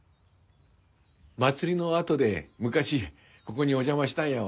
祭りのあとで昔ここにお邪魔したんやわ。